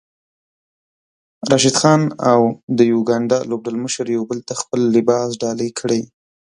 راشد خان او د يوګاندا لوبډلمشر يو بل ته خپل لباس ډالۍ کړی